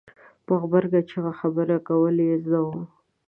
په غبرګه چېغه خبره کول یې زده وو.